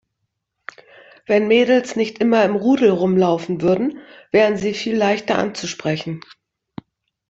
Wenn Mädels nicht immer im Rudel rumlaufen würden, wären sie viel leichter anzusprechen.